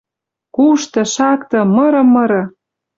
Кушты, шакты, мырым мыры!